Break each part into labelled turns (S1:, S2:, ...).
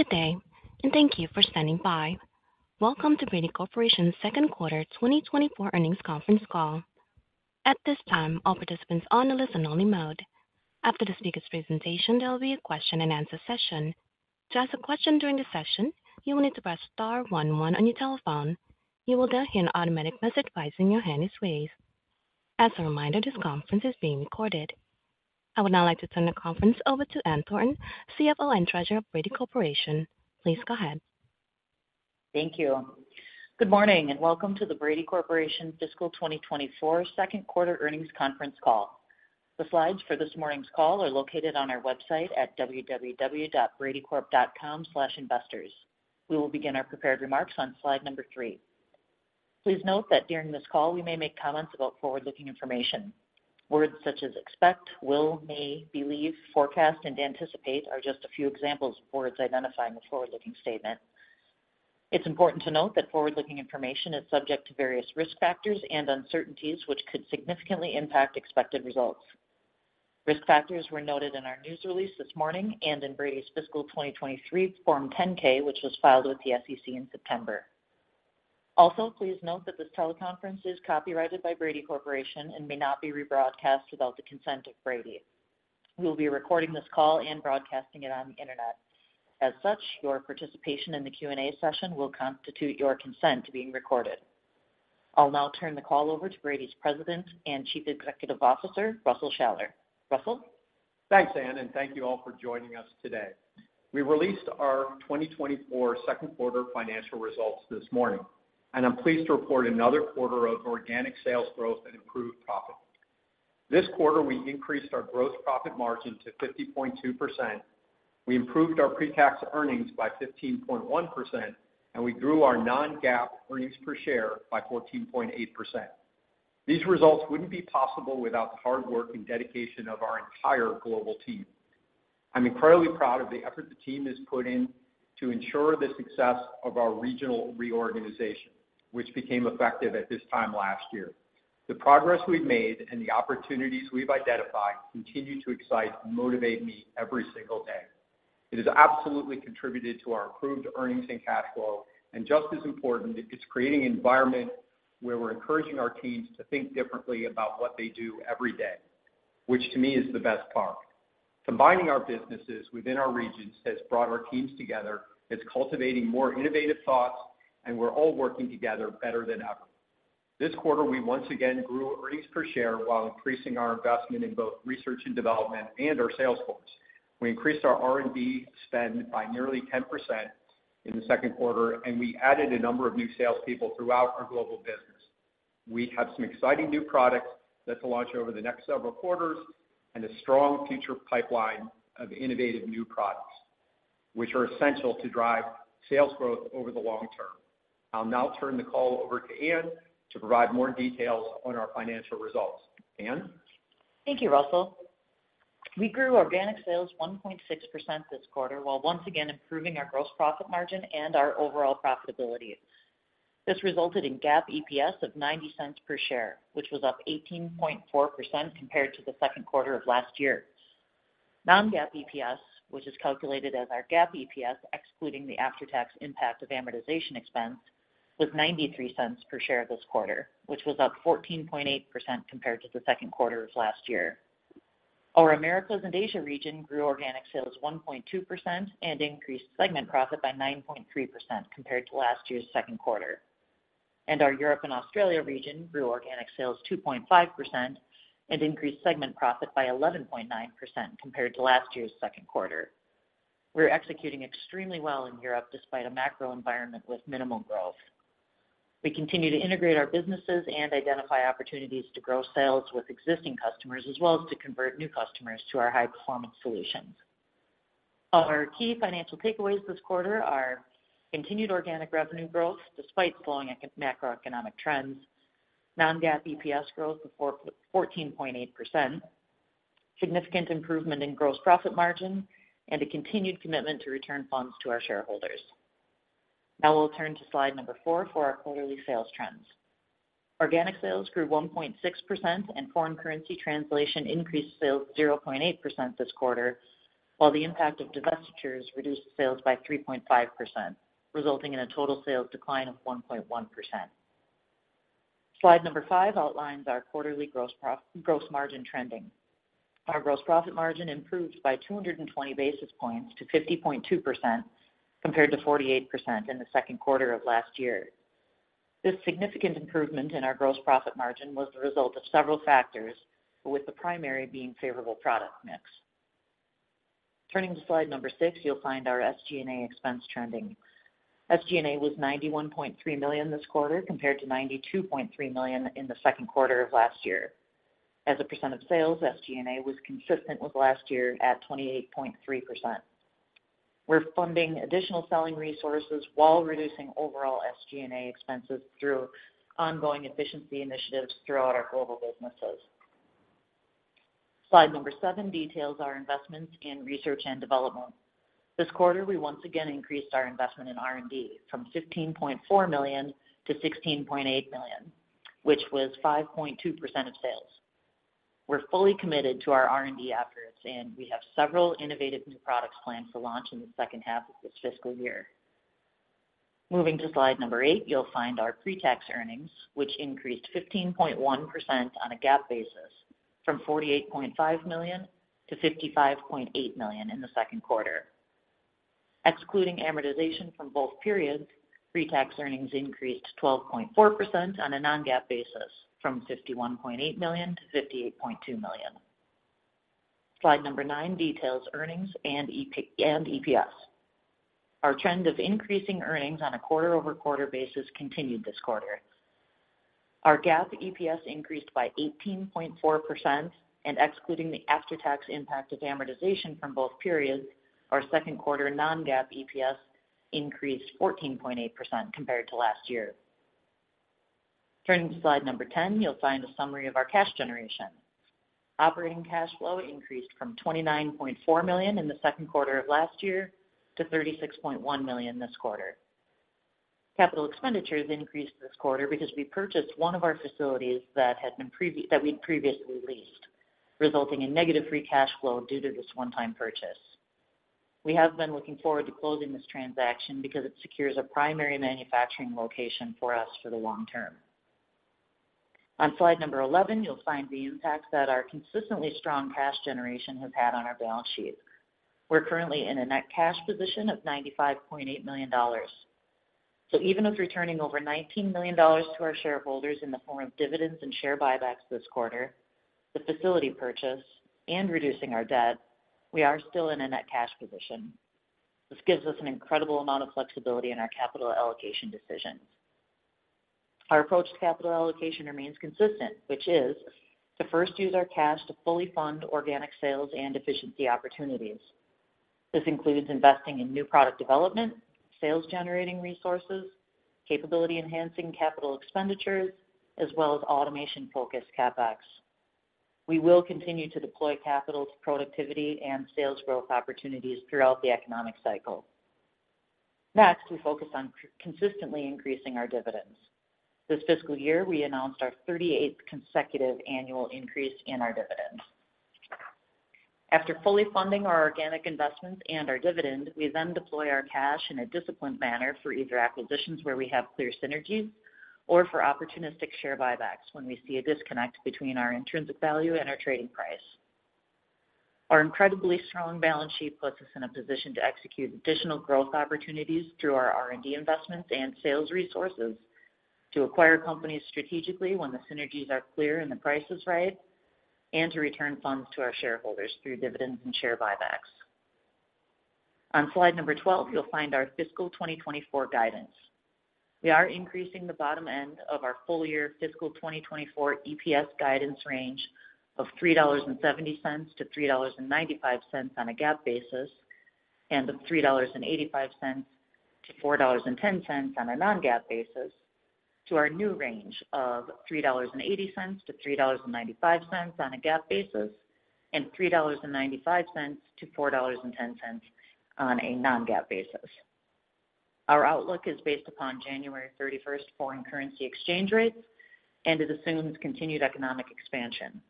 S1: Good day, and thank you for standing by. Welcome to Brady Corporation's second quarter 2024 earnings conference call. At this time, all participants are on a listen-only mode. After the speaker's presentation, there will be a question-and-answer session. To ask a question during the session, you will need to press star one one on your telephone. You will then hear an automatic message voicing that your hand is raised. As a reminder, this conference is being recorded. I would now like to turn the conference over to Ann Thornton, CFO and Treasurer of Brady Corporation. Please go ahead.
S2: Thank you. Good morning and welcome to the Brady Corporation fiscal 2024 second quarter earnings conference call. The slides for this morning's call are located on our website at www.bradycorp.com/investors. We will begin our prepared remarks on slide number three. Please note that during this call, we may make comments about forward-looking information. Words such as expect, will, may, believe, forecast, and anticipate are just a few examples of words identifying a forward-looking statement. It's important to note that forward-looking information is subject to various risk factors and uncertainties which could significantly impact expected results. Risk factors were noted in our news release this morning and in Brady's fiscal 2023 Form 10-K, which was filed with the SEC in September. Also, please note that this teleconference is copyrighted by Brady Corporation and may not be rebroadcast without the consent of Brady. We will be recording this call and broadcasting it on the internet. As such, your participation in the Q&A session will constitute your consent to being recorded. I'll now turn the call over to Brady's President and Chief Executive Officer, Russell Shaller. Russell?
S3: Thanks, Ann, and thank you all for joining us today. We released our 2024 second quarter financial results this morning, and I'm pleased to report another quarter of organic sales growth and improved profit. This quarter, we increased our gross profit margin to 50.2%. We improved our pre-tax earnings by 15.1%, and we grew our non-GAAP earnings per share by 14.8%. These results wouldn't be possible without the hard work and dedication of our entire global team. I'm incredibly proud of the effort the team has put in to ensure the success of our regional reorganization, which became effective at this time last year. The progress we've made and the opportunities we've identified continue to excite and motivate me every single day. It has absolutely contributed to our improved earnings and cash flow, and just as important, it's creating an environment where we're encouraging our teams to think differently about what they do every day, which to me is the best part. Combining our businesses within our regions has brought our teams together. It's cultivating more innovative thoughts, and we're all working together better than ever. This quarter, we once again grew earnings per share while increasing our investment in both research and development and our sales force. We increased our R&D spend by nearly 10% in the second quarter, and we added a number of new salespeople throughout our global business. We have some exciting new products that to launch over the next several quarters and a strong future pipeline of innovative new products, which are essential to drive sales growth over the long-term. I'll now turn the call over to Ann to provide more details on our financial results. Ann?
S2: Thank you, Russell. We grew organic sales 1.6% this quarter while once again improving our gross profit margin and our overall profitability. This resulted in GAAP EPS of $0.90 per share, which was up 18.4% compared to the second quarter of last year. Non-GAAP EPS, which is calculated as our GAAP EPS excluding the after-tax impact of amortization expense, was $0.93 per share this quarter, which was up 14.8% compared to the second quarter of last year. Our Americas and Asia region grew organic sales 1.2% and increased segment profit by 9.3% compared to last year's second quarter. And our Europe and Australia region grew organic sales 2.5% and increased segment profit by 11.9% compared to last year's second quarter. We're executing extremely well in Europe despite a macro environment with minimal growth. We continue to integrate our businesses and identify opportunities to grow sales with existing customers as well as to convert new customers to our high-performance solutions. Our key financial takeaways this quarter are continued organic revenue growth despite slowing macroeconomic trends, non-GAAP EPS growth of 14.8%, significant improvement in gross profit margin, and a continued commitment to return funds to our shareholders. Now we'll turn to slide number four for our quarterly sales trends. Organic sales grew 1.6% and foreign currency translation increased sales 0.8% this quarter, while the impact of divestitures reduced sales by 3.5%, resulting in a total sales decline of 1.1%. Slide number five outlines our quarterly gross margin trending. Our gross profit margin improved by 220 basis points to 50.2% compared to 48% in the second quarter of last year. This significant improvement in our gross profit margin was the result of several factors, with the primary being favorable product mix. Turning to slide number six, you'll find our SG&A expense trending. SG&A was $91.3 million this quarter compared to $92.3 million in the second quarter of last year. As a percent of sales, SG&A was consistent with last year at 28.3%. We're funding additional selling resources while reducing overall SG&A expenses through ongoing efficiency initiatives throughout our global businesses. Slide number seven details our investments in research and development. This quarter, we once again increased our investment in R&D from $15.4 million to $16.8 million, which was 5.2% of sales. We're fully committed to our R&D efforts, and we have several innovative new products planned for launch in the second half of this fiscal year. Moving to slide number eight, you'll find our pre-tax earnings, which increased 15.1% on a GAAP basis from $48.5 million to $55.8 million in the second quarter. Excluding amortization from both periods, pre-tax earnings increased 12.4% on a non-GAAP basis from $51.8 million to $58.2 million. Slide number nine details earnings and EPS. Our trend of increasing earnings on a quarter-over-quarter basis continued this quarter. Our GAAP EPS increased by 18.4%, and excluding the after-tax impact of amortization from both periods, our second quarter non-GAAP EPS increased 14.8% compared to last year. Turning to slide number 10, you'll find a summary of our cash generation. Operating cash flow increased from $29.4 million in the second quarter of last year to $36.1 million this quarter. Capital expenditures increased this quarter because we purchased one of our facilities that we'd previously leased, resulting in negative free cash flow due to this one-time purchase. We have been looking forward to closing this transaction because it secures a primary manufacturing location for us for the long- term. On slide number 11, you'll find the impact that our consistently strong cash generation has had on our balance sheet. We're currently in a net cash position of $95.8 million. So even with returning over $19 million to our shareholders in the form of dividends and share buybacks this quarter, the facility purchase, and reducing our debt, we are still in a net cash position. This gives us an incredible amount of flexibility in our capital allocation decisions. Our approach to capital allocation remains consistent, which is to first use our cash to fully fund organic sales and efficiency opportunities. This includes investing in new product development, sales-generating resources, capability-enhancing capital expenditures, as well as automation-focused CapEx. We will continue to deploy capital to productivity and sales growth opportunities throughout the economic cycle. Next, we focus on consistently increasing our dividends. This fiscal year, we announced our 38th consecutive annual increase in our dividends. After fully funding our organic investments and our dividend, we then deploy our cash in a disciplined manner for either acquisitions where we have clear synergies or for opportunistic share buybacks when we see a disconnect between our intrinsic value and our trading price. Our incredibly strong balance sheet puts us in a position to execute additional growth opportunities through our R&D investments and sales resources, to acquire companies strategically when the synergies are clear and the price is right, and to return funds to our shareholders through dividends and share buybacks. On slide number 12, you'll find our fiscal 2024 guidance. We are increasing the bottom end of our full-year fiscal 2024 EPS guidance range of $3.70-$3.95 on a GAAP basis and of $3.85-$4.10 on a non-GAAP basis to our new range of $3.80-$3.95 on a GAAP basis and $3.95-$4.10 on a non-GAAP basis. Our outlook is based upon January 31st foreign currency exchange rates and it assumes continued economic expansion.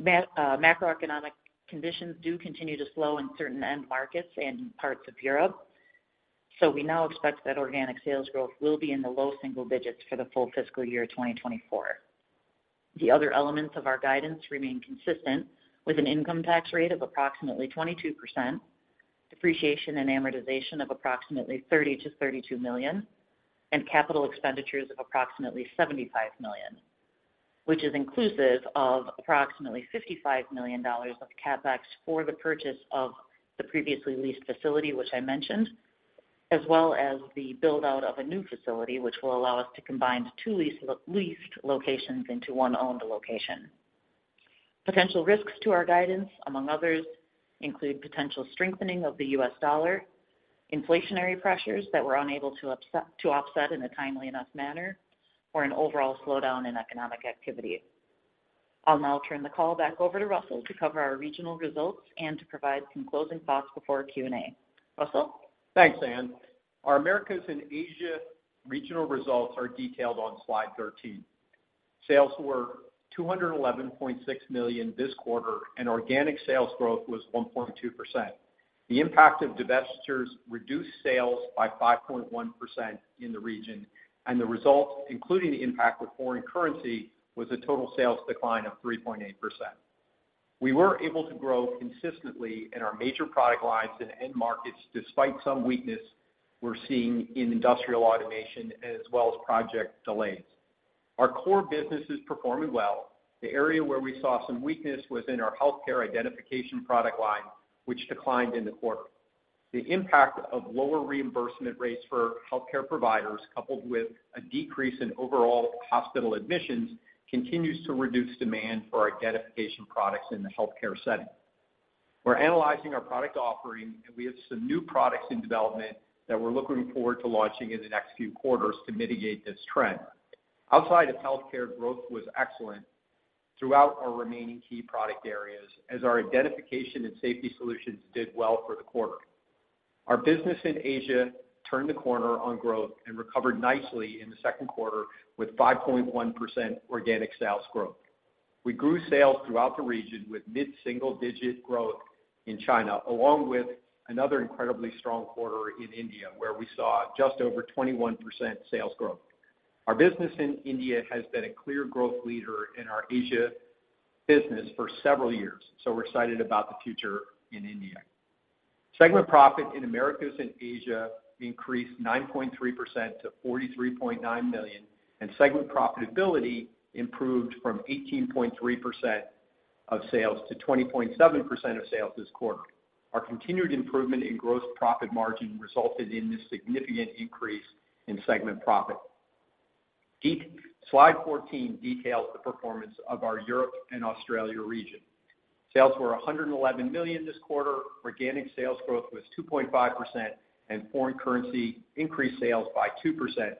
S2: Macroeconomic conditions do continue to slow in certain end markets and parts of Europe, so we now expect that organic sales growth will be in the low single digits for the full fiscal year 2024. The other elements of our guidance remain consistent with an income tax rate of approximately 22%, depreciation and amortization of approximately $30 million-$32 million, and capital expenditures of approximately $75 million, which is inclusive of approximately $55 million of CapEx for the purchase of the previously leased facility, which I mentioned, as well as the build-out of a new facility, which will allow us to combine two leased locations into one owned location. Potential risks to our guidance, among others, include potential strengthening of the U.S. dollar, inflationary pressures that we're unable to offset in a timely enough manner, or an overall slowdown in economic activity. I'll now turn the call back over to Russell to cover our regional results and to provide some closing thoughts before Q&A. Russell?
S3: Thanks, Ann. Our Americas and Asia regional results are detailed on slide 13. Sales were $211.6 million this quarter, and organic sales growth was 1.2%. The impact of divestitures reduced sales by 5.1% in the region, and the result, including the impact with foreign currency, was a total sales decline of 3.8%. We were able to grow consistently in our major product lines and end markets despite some weakness we're seeing in industrial automation as well as project delays. Our core business is performing well. The area where we saw some weakness was in our healthcare identification product line, which declined in the quarter. The impact of lower reimbursement rates for healthcare providers coupled with a decrease in overall hospital admissions continues to reduce demand for identification products in the healthcare setting. We're analyzing our product offering, and we have some new products in development that we're looking forward to launching in the next few quarters to mitigate this trend. Outside of healthcare, growth was excellent throughout our remaining key product areas as our identification and safety solutions did well for the quarter. Our business in Asia turned the corner on growth and recovered nicely in the second quarter with 5.1% organic sales growth. We grew sales throughout the region with mid-single digit growth in China, along with another incredibly strong quarter in India where we saw just over 21% sales growth. Our business in India has been a clear growth leader in our Asia business for several years, so we're excited about the future in India. Segment profit in Americas and Asia increased 9.3% to $43.9 million, and segment profitability improved from 18.3% of sales to 20.7% of sales this quarter. Our continued improvement in gross profit margin resulted in this significant increase in segment profit. Slide 14 details the performance of our Europe and Australia region. Sales were $111 million this quarter, organic sales growth was 2.5%, and foreign currency increased sales by 2%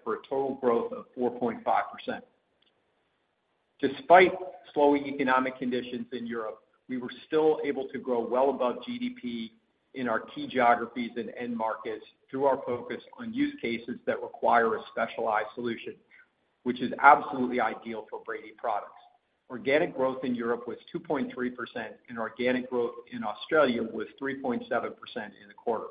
S3: for a total growth of 4.5%. Despite slowing economic conditions in Europe, we were still able to grow well above GDP in our key geographies and end markets through our focus on use cases that require a specialized solution, which is absolutely ideal for Brady products. Organic growth in Europe was 2.3%, and organic growth in Australia was 3.7% in the quarter.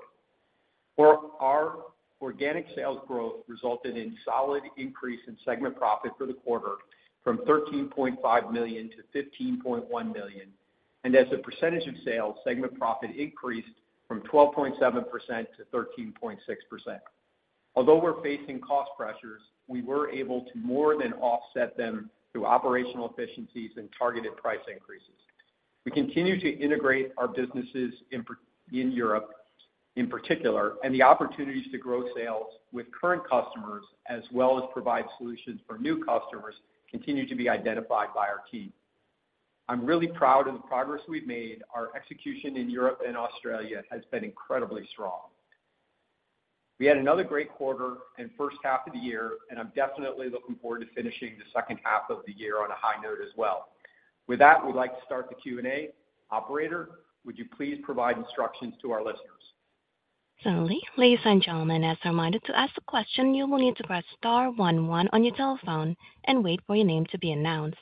S3: Our organic sales growth resulted in solid increase in segment profit for the quarter from $13.5 million to $15.1 million, and as a percentage of sales, segment profit increased from 12.7% to 13.6%. Although we're facing cost pressures, we were able to more than offset them through operational efficiencies and targeted price increases. We continue to integrate our businesses in Europe, in particular, and the opportunities to grow sales with current customers as well as provide solutions for new customers continue to be identified by our team. I'm really proud of the progress we've made. Our execution in Europe and Australia has been incredibly strong. We had another great quarter and first half of the year, and I'm definitely looking forward to finishing the second half of the year on a high note as well. With that, we'd like to start the Q&A. Operator, would you please provide instructions to our listeners?
S1: So, ladies and gentlemen, as reminded to ask the question, you will need to press star one one on your telephone and wait for your name to be announced.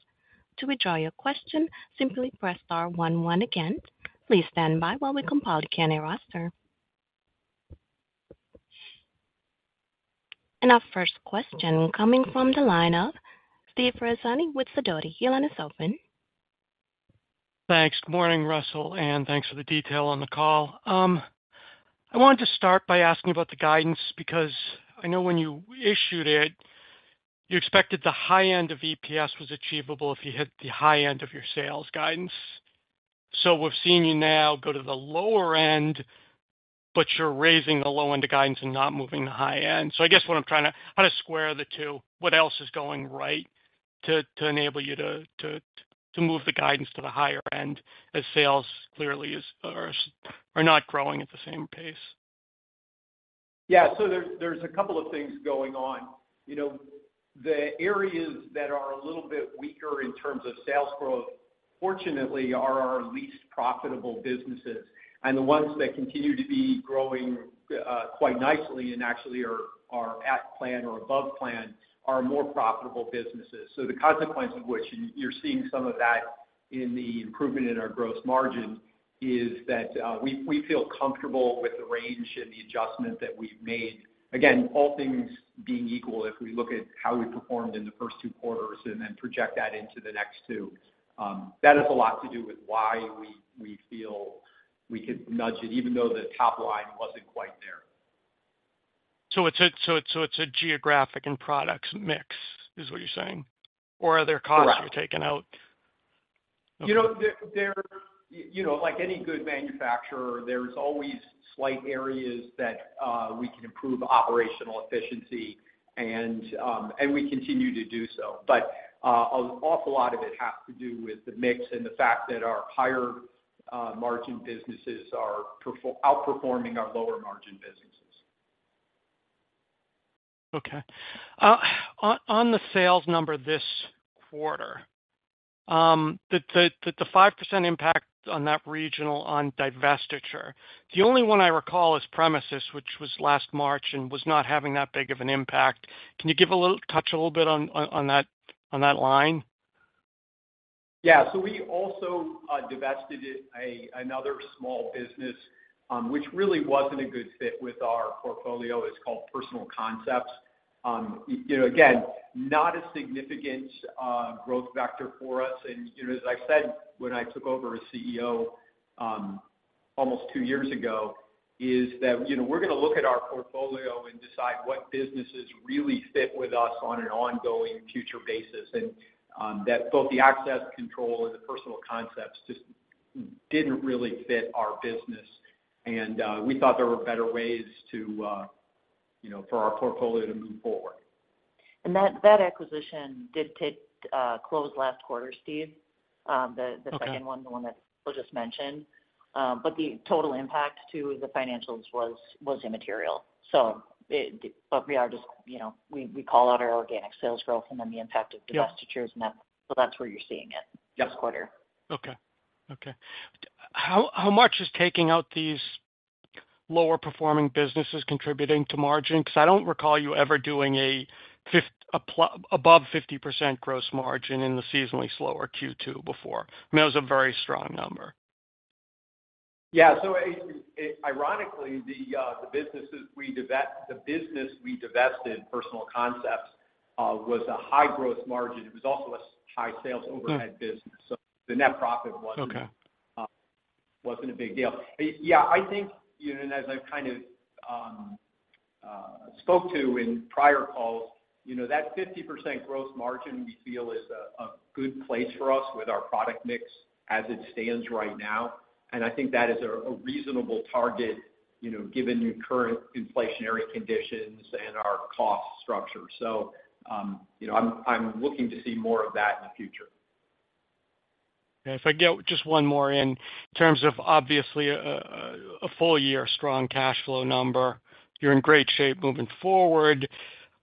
S1: To withdraw your question, simply press star one one again. Please stand by while we compile the Q&A roster. And our first question coming from the line of Steve Ferazani with Sidoti. The line is open.
S4: Thanks. Good morning, Russell, and thanks for the detail on the call. I wanted to start by asking about the guidance because I know when you issued it, you expected the high end of EPS was achievable if you hit the high end of your sales guidance. So we've seen you now go to the lower end, but you're raising the low end of guidance and not moving the high end. So I guess what I'm trying to how to square the two, what else is going right to enable you to move the guidance to the higher end as sales clearly are not growing at the same pace?
S3: Yeah, so there's a couple of things going on. The areas that are a little bit weaker in terms of sales growth, fortunately, are our least profitable businesses, and the ones that continue to be growing quite nicely and actually are at plan or above plan are more profitable businesses. So the consequence of which, and you're seeing some of that in the improvement in our gross margin, is that we feel comfortable with the range and the adjustment that we've made. Again, all things being equal, if we look at how we performed in the first two quarters and then project that into the next two, that has a lot to do with why we feel we could nudge it, even though the top line wasn't quite there.
S4: It's a geographic and products mix is what you're saying, or are there costs you're taking out?
S3: Right. Like any good manufacturer, there's always slight areas that we can improve operational efficiency, and we continue to do so. But an awful lot of it has to do with the mix and the fact that our higher margin businesses are outperforming our lower margin businesses.
S4: Okay. On the sales number this quarter, the 5% impact on that regional on divestiture, the only one I recall is PremiSys, which was last March and was not having that big of an impact. Can you touch a little bit on that line?
S3: Yeah. So we also divested another small business, which really wasn't a good fit with our portfolio. It's called Personnel Concepts. Again, not a significant growth vector for us. And as I said when I took over as CEO almost two years ago, is that we're going to look at our portfolio and decide what businesses really fit with us on an ongoing future basis, and that both the access control and the Personnel Concepts just didn't really fit our business. And we thought there were better ways for our portfolio to move forward.
S2: That acquisition did close last quarter, Steve, the second one, the one that I just mentioned. But the total impact to the financials was immaterial. But we just call out our organic sales growth and then the impact of divestitures, and that's where you're seeing it this quarter.
S4: Okay. Okay. How much is taking out these lower performing businesses contributing to margin? Because I don't recall you ever doing an above 50% gross margin in the seasonally slower Q2 before. I mean, that was a very strong number.
S3: Yeah. So ironically, the businesses we divested, Personnel Concepts, was a high gross margin. It was also a high sales overhead business. So the net profit wasn't a big deal. Yeah, I think, and as I've kind of spoke to in prior calls, that 50% gross margin we feel is a good place for us with our product mix as it stands right now. And I think that is a reasonable target given current inflationary conditions and our cost structure. So I'm looking to see more of that in the future.
S4: Yeah. If I get just one more in terms of, obviously, a full-year strong cash flow number, you're in great shape moving forward.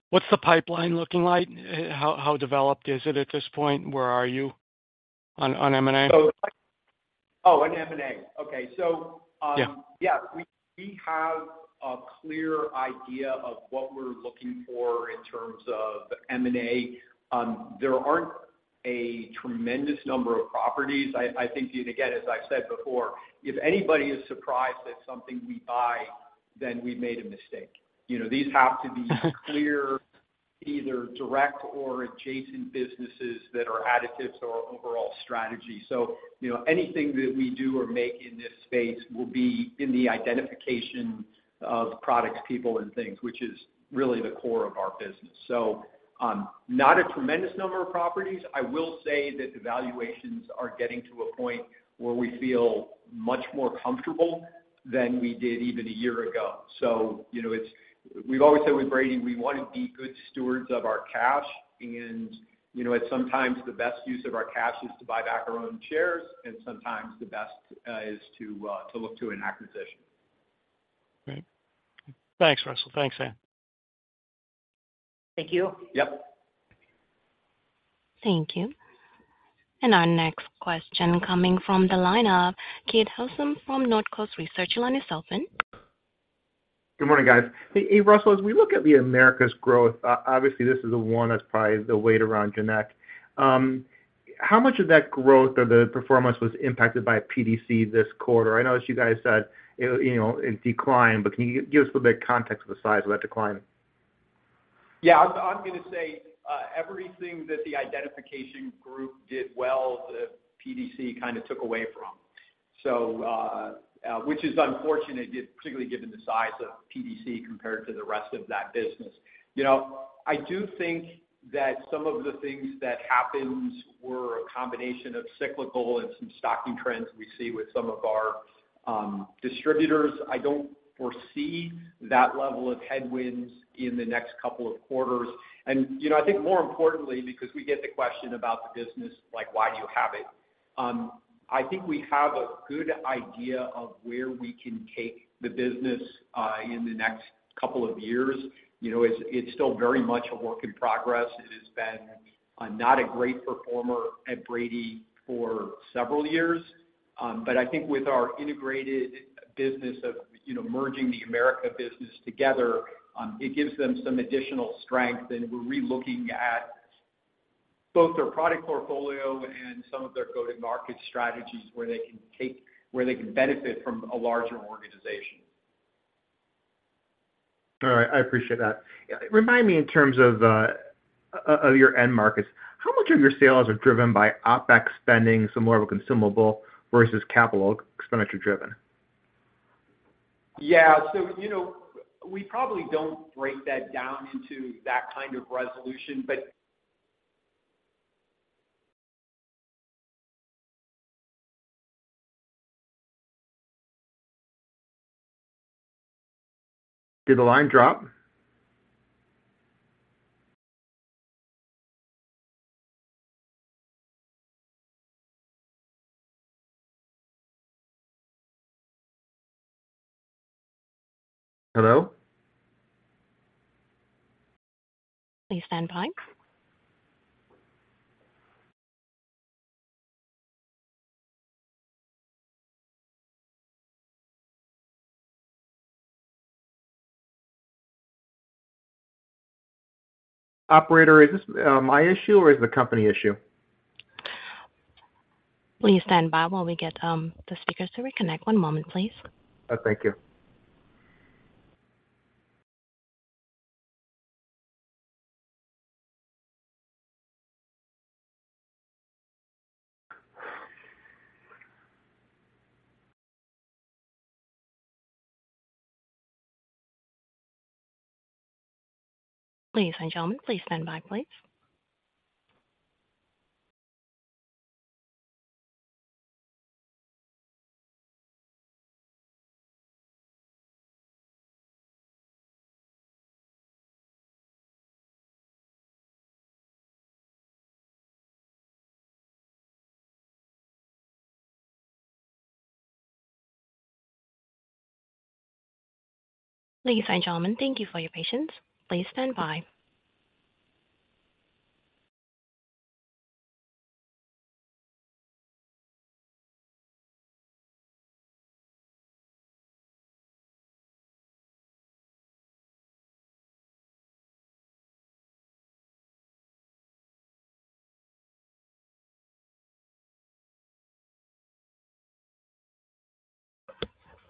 S4: What's the pipeline looking like? How developed is it at this point? Where are you on M&A?
S3: Oh, on M&A. Okay. So yeah, we have a clear idea of what we're looking for in terms of M&A. There aren't a tremendous number of properties. I think, again, as I've said before, if anybody is surprised at something we buy, then we've made a mistake. These have to be clear either direct or adjacent businesses that are additives to our overall strategy. So anything that we do or make in this space will be in the identification of products, people, and things, which is really the core of our business. So not a tremendous number of properties. I will say that the valuations are getting to a point where we feel much more comfortable than we did even a year ago. So we've always said with Brady, we want to be good stewards of our cash, and sometimes the best use of our cash is to buy back our own shares, and sometimes the best is to look to an acquisition.
S4: Great. Thanks, Russell. Thanks, Ann.
S2: Thank you.
S3: Yep.
S1: Thank you. And our next question coming from the line of Keith Housum from Northcoast Research. The line is open.
S5: Good morning, guys. Hey, Russell, as we look at the Americas growth, obviously, this is the one that's probably the weight around your neck. How much of that growth or the performance was impacted by PDC this quarter? I know that you guys said it declined, but can you give us a little bit of context of the size of that decline?
S3: Yeah. I'm going to say everything that the identification group did well, the PDC kind of took away from, which is unfortunate, particularly given the size of PDC compared to the rest of that business. I do think that some of the things that happened were a combination of cyclical and some stocking trends we see with some of our distributors. I don't foresee that level of headwinds in the next couple of quarters. And I think more importantly, because we get the question about the business, like, "Why do you have it?" I think we have a good idea of where we can take the business in the next couple of years. It's still very much a work in progress. It has been not a great performer at Brady for several years. But I think with our integrated business of merging the Americas business together, it gives them some additional strength, and we're relooking at both their product portfolio and some of their go-to-market strategies where they can take where they can benefit from a larger organization.
S5: All right. I appreciate that. Remind me, in terms of your end markets, how much of your sales are driven by OpEx spending, so more of a consumable versus capital expenditure driven?
S3: Yeah. So we probably don't break that down into that kind of resolution, but.
S5: Did the line drop? Hello?
S1: Please stand by.
S5: Operator, is this my issue or is the company issue?
S1: Please stand by while we get the speakers to reconnect. One moment, please.
S5: Thank you.
S1: Ladies and gentlemen, please stand by, please. Ladies and gentlemen, thank you for your patience. Please stand by.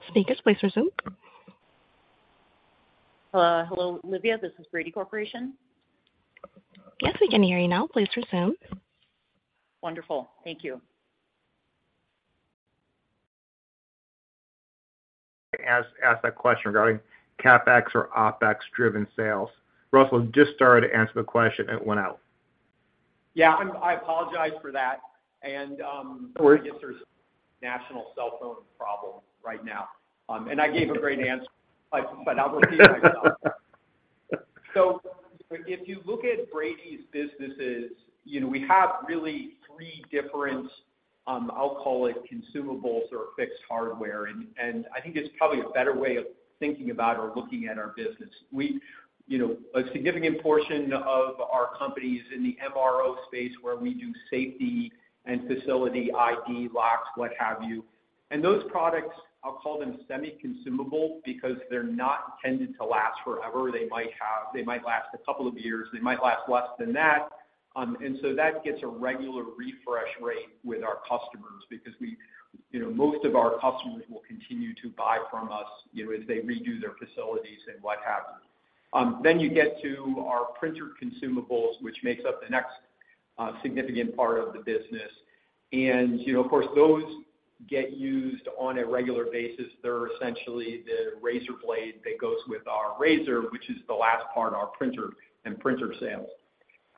S1: Speakers, please resume.
S2: Hello. Hello, Olivia. This is Brady Corporation.
S1: Yes, we can hear you now. Please resume.
S2: Wonderful. Thank you.
S5: Ask that question regarding CapEx or OpEx-driven sales. Russell just started to answer the question. It went out.
S3: Yeah. I apologize for that. I guess there's a national cell phone problem right now. I gave a great answer, but I'll repeat myself. So if you look at Brady's businesses, we have really three different, I'll call it, consumables or fixed hardware. And I think it's probably a better way of thinking about or looking at our business. A significant portion of our company is in the MRO space where we do safety and facility ID locks, what have you. And those products, I'll call them semi-consumable because they're not intended to last forever. They might last a couple of years. They might last less than that. And so that gets a regular refresh rate with our customers because most of our customers will continue to buy from us as they redo their facilities and what have you. Then you get to our printer consumables, which makes up the next significant part of the business. And of course, those get used on a regular basis. They're essentially the razor blade that goes with our razor, which is the last part, our printer and printer sales.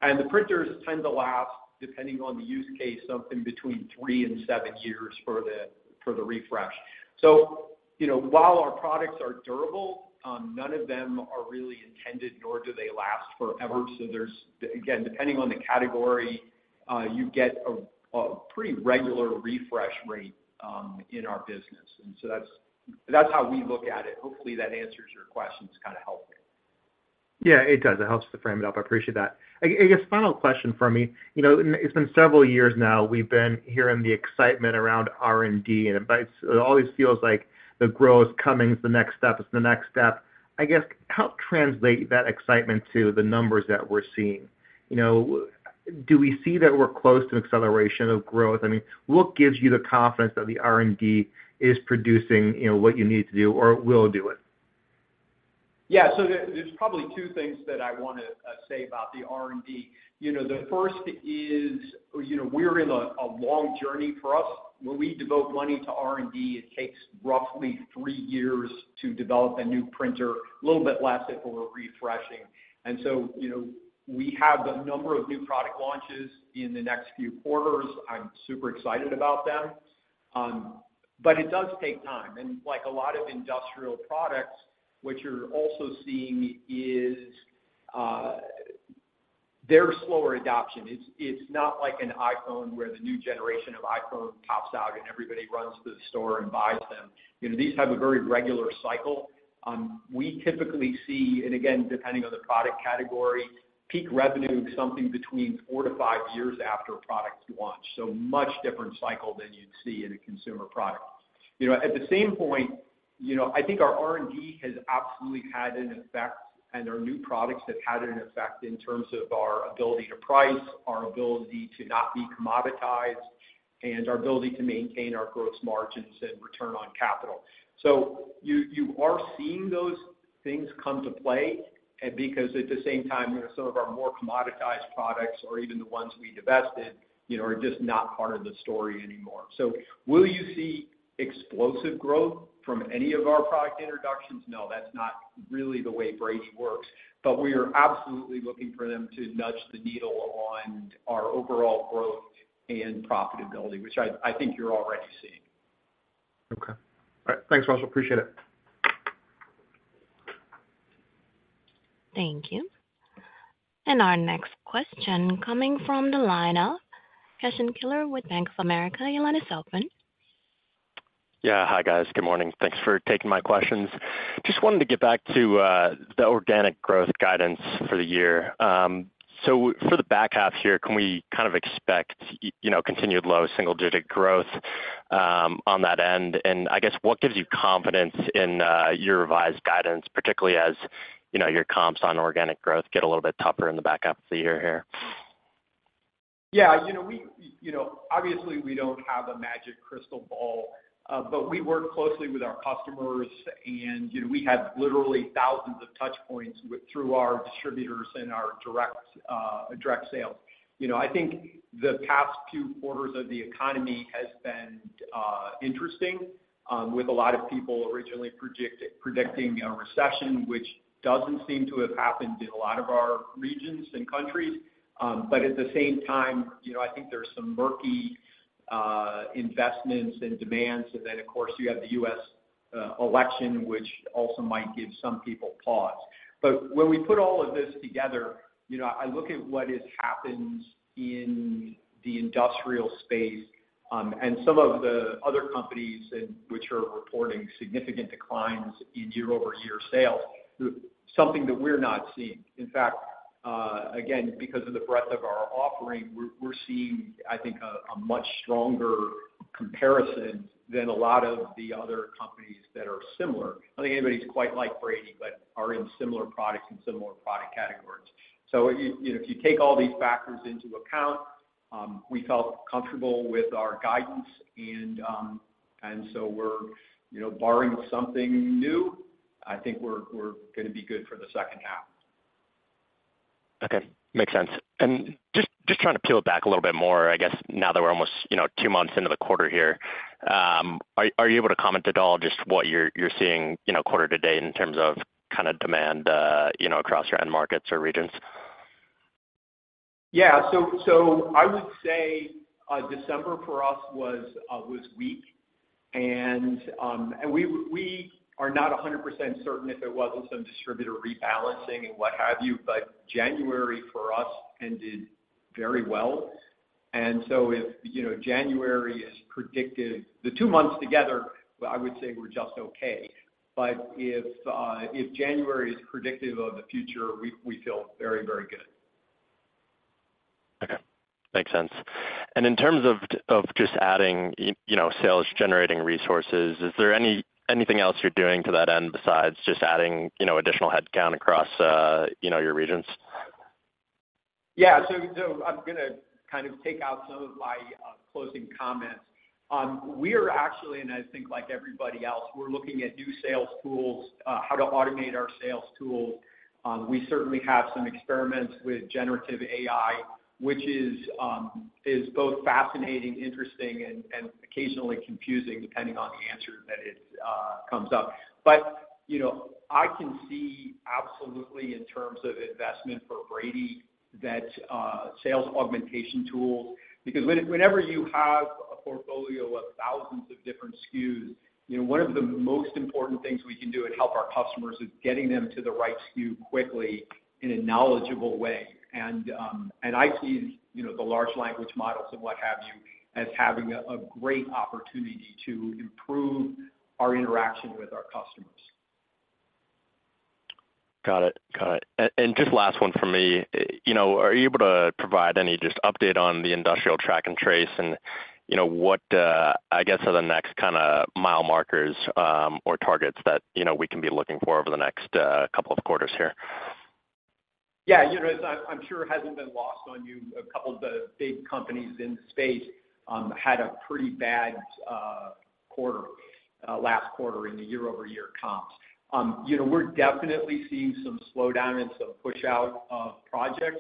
S3: And the printers tend to last, depending on the use case, something between three and seven years for the refresh. So while our products are durable, none of them are really intended, nor do they last forever. So again, depending on the category, you get a pretty regular refresh rate in our business. And so that's how we look at it. Hopefully, that answers your question is kind of helpful.
S5: Yeah, it does. It helps to frame it up. I appreciate that. I guess final question for me. It's been several years now we've been hearing the excitement around R&D, and it always feels like the growth is coming. It's the next step. It's the next step. I guess, how translate that excitement to the numbers that we're seeing? Do we see that we're close to an acceleration of growth? I mean, what gives you the confidence that the R&D is producing what you need to do or will do it?
S3: Yeah. So there's probably two things that I want to say about the R&D. The first is we're in a long journey for us. When we devote money to R&D, it takes roughly three years to develop a new printer, a little bit less if we're refreshing. And so we have a number of new product launches in the next few quarters. I'm super excited about them. But it does take time. And like a lot of industrial products, what you're also seeing is their slower adoption. It's not like an iPhone where the new generation of iPhone pops out and everybody runs to the store and buys them. These have a very regular cycle. We typically see, and again, depending on the product category, peak revenue something between four to five years after products launch. So much different cycle than you'd see in a consumer product. At the same point, I think our R&D has absolutely had an effect, and our new products have had an effect in terms of our ability to price, our ability to not be commoditized, and our ability to maintain our gross margins and return on capital. So you are seeing those things come to play because at the same time, some of our more commoditized products, or even the ones we divested, are just not part of the story anymore. So will you see explosive growth from any of our product introductions? No, that's not really the way Brady works. But we are absolutely looking for them to nudge the needle on our overall growth and profitability, which I think you're already seeing.
S5: Okay. All right. Thanks, Russell. Appreciate it.
S1: Thank you. Our next question coming from the line of Cashen Keeler with Bank of America. Your line is open.
S6: Yeah. Hi, guys. Good morning. Thanks for taking my questions. Just wanted to get back to the organic growth guidance for the year. So for the back half here, can we kind of expect continued low single-digit growth on that end? And I guess, what gives you confidence in your revised guidance, particularly as your comps on organic growth get a little bit tougher in the back half of the year here?
S3: Yeah. Obviously, we don't have a magic crystal ball, but we work closely with our customers, and we have literally thousands of touchpoints through our distributors and our direct sales. I think the past few quarters of the economy has been interesting with a lot of people originally predicting a recession, which doesn't seem to have happened in a lot of our regions and countries. But at the same time, I think there's some murky investments and demands. And then, of course, you have the U.S. election, which also might give some people pause. But when we put all of this together, I look at what has happened in the industrial space and some of the other companies which are reporting significant declines in year-over-year sales, something that we're not seeing. In fact, again, because of the breadth of our offering, we're seeing, I think, a much stronger comparison than a lot of the other companies that are similar. I don't think anybody's quite like Brady but are in similar products and similar product categories. So if you take all these factors into account, we felt comfortable with our guidance, and so we're barring something new, I think we're going to be good for the second half.
S6: Okay. Makes sense. Just trying to peel it back a little bit more, I guess, now that we're almost two months into the quarter here, are you able to comment at all just what you're seeing quarter to date in terms of kind of demand across your end markets or regions?
S3: Yeah. So I would say December for us was weak. We are not 100% certain if it wasn't some distributor rebalancing and what have you, but January for us ended very well. If January is predictive the two months together, I would say we're just okay. If January is predictive of the future, we feel very, very good.
S6: Okay. Makes sense. And in terms of just adding sales-generating resources, is there anything else you're doing to that end besides just adding additional headcount across your regions?
S3: Yeah. So I'm going to kind of take out some of my closing comments. We are actually, and I think like everybody else, we're looking at new sales tools, how to automate our sales tools. We certainly have some experiments with generative AI, which is both fascinating, interesting, and occasionally confusing depending on the answer that comes up. But I can see absolutely in terms of investment for Brady that sales augmentation tools because whenever you have a portfolio of thousands of different SKUs, one of the most important things we can do and help our customers is getting them to the right SKU quickly in a knowledgeable way. And I see the large language models and what have you as having a great opportunity to improve our interaction with our customers.
S6: Got it. Got it. And just last one for me, are you able to provide any just update on the industrial track and trace and what, I guess, are the next kind of mile markers or targets that we can be looking for over the next couple of quarters here?
S3: Yeah. I'm sure it hasn't been lost on you. A couple of the big companies in the space had a pretty bad quarter, last quarter in the year-over-year comps. We're definitely seeing some slowdown and some push-out of projects.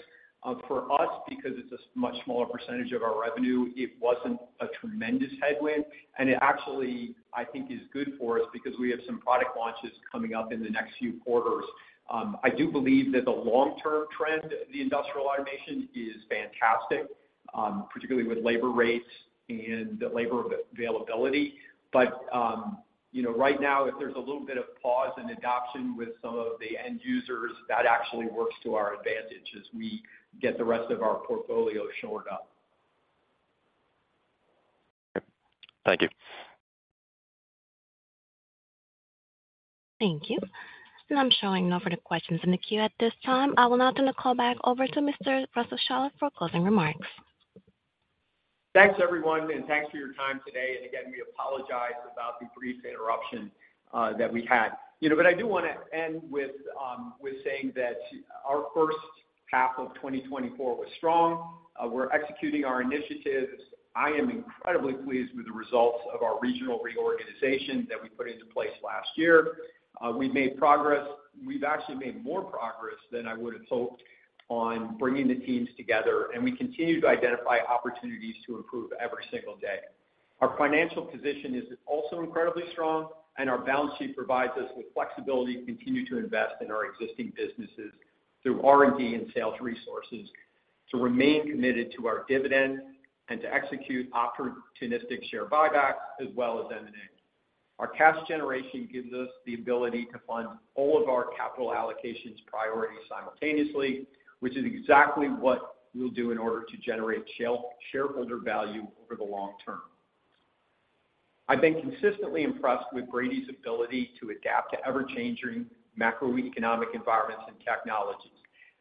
S3: For us, because it's a much smaller percentage of our revenue, it wasn't a tremendous headwind. And it actually, I think, is good for us because we have some product launches coming up in the next few quarters. I do believe that the long-term trend of the industrial automation is fantastic, particularly with labor rates and labor availability. But right now, if there's a little bit of pause in adoption with some of the end users, that actually works to our advantage as we get the rest of our portfolio shored up.
S6: Okay. Thank you.
S1: Thank you. So I'm showing no further questions in the queue at this time. I will now turn the call back over to Mr. Russell Shaller for closing remarks.
S3: Thanks, everyone, and thanks for your time today. Again, we apologize about the brief interruption that we had. But I do want to end with saying that our first half of 2024 was strong. We're executing our initiatives. I am incredibly pleased with the results of our regional reorganization that we put into place last year. We've made progress. We've actually made more progress than I would have hoped on bringing the teams together. We continue to identify opportunities to improve every single day. Our financial position is also incredibly strong, and our balance sheet provides us with flexibility to continue to invest in our existing businesses through R&D and sales resources, to remain committed to our dividend, and to execute opportunistic share buybacks as well as M&A. Our cash generation gives us the ability to fund all of our capital allocations priority simultaneously, which is exactly what we'll do in order to generate shareholder value over the long-term. I've been consistently impressed with Brady's ability to adapt to ever-changing macroeconomic environments and technologies.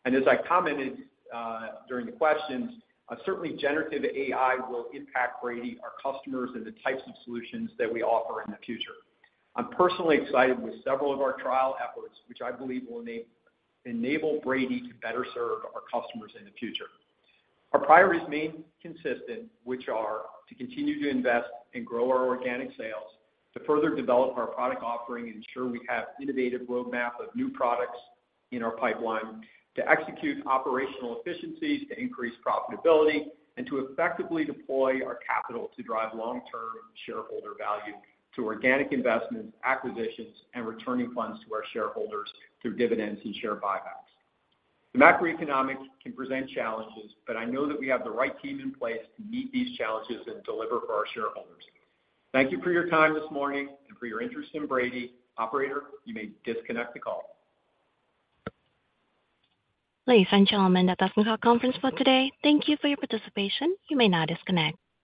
S3: As I commented during the questions, certainly, generative AI will impact Brady, our customers, and the types of solutions that we offer in the future. I'm personally excited with several of our trial efforts, which I believe will enable Brady to better serve our customers in the future. Our priorities remain consistent, which are to continue to invest and grow our organic sales, to further develop our product offering and ensure we have an innovative roadmap of new products in our pipeline, to execute operational efficiencies to increase profitability, and to effectively deploy our capital to drive long-term shareholder value through organic investments, acquisitions, and returning funds to our shareholders through dividends and share buybacks. The macroeconomics can present challenges, but I know that we have the right team in place to meet these challenges and deliver for our shareholders. Thank you for your time this morning and for your interest in Brady. Operator, you may disconnect the call.
S1: Ladies and gentlemen, that concludes our conference for today. Thank you for your participation. You may now disconnect. SPEAKER VERIFY